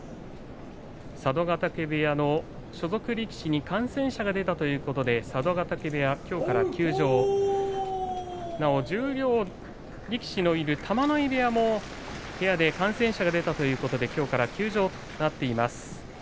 佐渡ヶ嶽部屋の所属力士に感染者が出たということで佐渡ヶ嶽部屋の力士は休場また十両力士のいる玉ノ井部屋も部屋の関係者に感染者が出たということで休場力士が出ています。